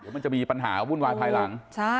มันจะมีปัญหาวุ่นวายภายหลัง